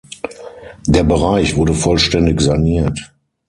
Der Bereich wurde vollständig saniert.